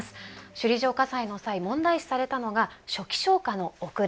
首里城火災の際問題視されたのが初期消火の遅れ。